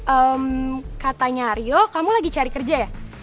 ehm katanya rio kamu lagi cari kerja ya